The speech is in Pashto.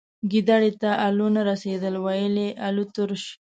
گيدړي ته الو نه رسيدل ، ويل يې الوتروش.